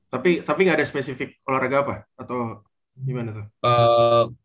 tapi nggak ada spesifik olahraga apa atau gimana tuh